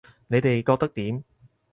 你哋覺得點